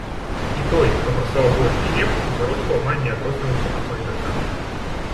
І той, хто працаваў больш і лепш, у заробку амаль не адрозніваўся ад лайдака.